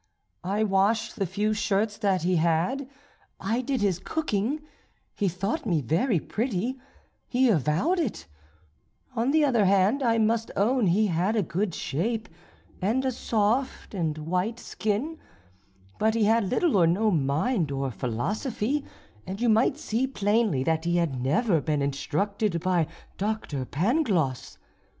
I washed the few shirts that he had, I did his cooking; he thought me very pretty he avowed it; on the other hand, I must own he had a good shape, and a soft and white skin; but he had little or no mind or philosophy, and you might see plainly that he had never been instructed by Doctor Pangloss.